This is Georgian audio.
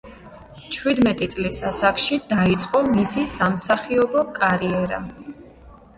ჩვიდმეტი წლის ასაკში დაიწყო მისი სამსახიობო კარიერა.